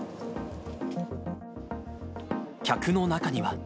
客の中には。